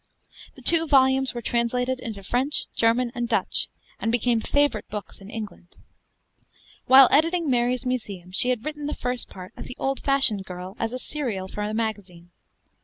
The two volumes were translated into French, German, and Dutch, and became favorite books in England. While editing Merry's Museum, she had written the first part of 'The Old Fashioned Girl' as a serial for the magazine.